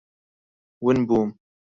ون بووم.